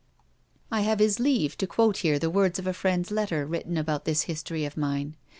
I have his leave to quote here the words of a friend's letter written about this history of mine.